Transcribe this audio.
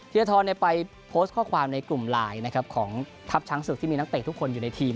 ธรไปโพสต์ข้อความในกลุ่มไลน์นะครับของทัพช้างศึกที่มีนักเตะทุกคนอยู่ในทีม